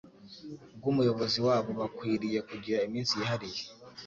bw’Umuyobozi wabo. Bakwiriye kugira iminsi yihariye